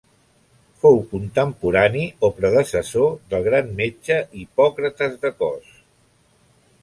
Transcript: Fou contemporani o predecessor del gran metge Hipòcrates de Cos.